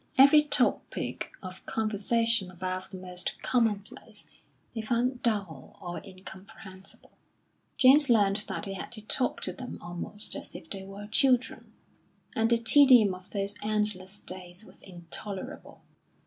Every topic of conversation above the most commonplace they found dull or incomprehensible. James learned that he had to talk to them almost as if they were children, and the tedium of those endless days was intolerable.